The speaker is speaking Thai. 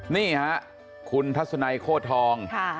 นี่ค่ะคุณทัศนัยโคทองค่ะ